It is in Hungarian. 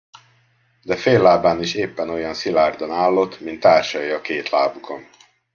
De fél lábán is éppen olyan szilárdan állott, mint társai a két lábukon.